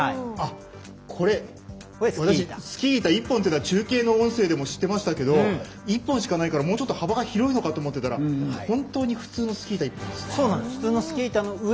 これ、スキー板１本というのは中継の音声でも知ってましたけど１本しかないからもうちょっと幅が広いのかと思っていたら本当に普通のスキー板１本ですね。